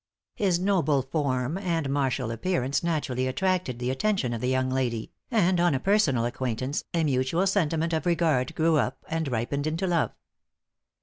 His noble form and martial appearance naturally attracted the attention of the young lady; and on a personal acquaintance, a mutual sentiment of regard grew up and ripened into love.